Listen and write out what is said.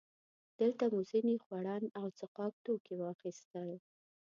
دلته مو ځینې خوړن او څښاک توکي واخیستل.